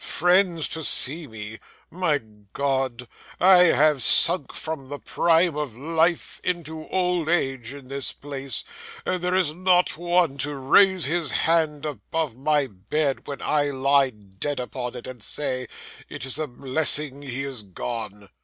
Friends to see me! My God! I have sunk, from the prime of life into old age, in this place, and there is not one to raise his hand above my bed when I lie dead upon it, and say, "It is a blessing he is gone!"